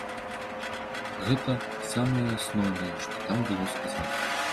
Гэта самае асноўнае, што там было сказана.